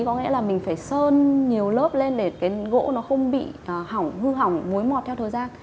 có nghĩa là mình phải sơn nhiều lớp lên để cái gỗ nó không bị hỏng hư hỏng muối mọt theo thời gian